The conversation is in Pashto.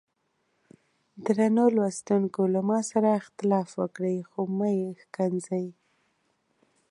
درنو لوستونکو له ما سره اختلاف وکړئ خو مه مې ښکنځئ.